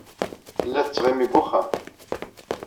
Tella tettɣimi deg wexxam.